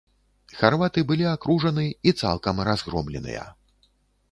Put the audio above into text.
Харваты былі акружаны і цалкам разгромленыя.